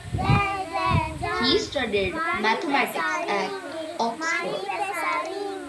He studied mathematics at Oxford.